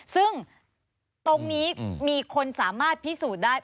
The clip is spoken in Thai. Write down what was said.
ซึ่งตรงนี้มีคนสามารถพิสูจน์ได้